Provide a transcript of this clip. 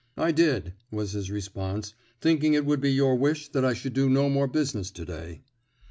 "I did," was his response, "thinking it would be your wish that I should do no more business to day."